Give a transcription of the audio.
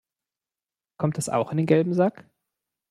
Kommt das auch in den gelben Sack?